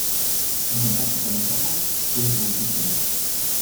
En contacto con los ojos puede producir ceguera.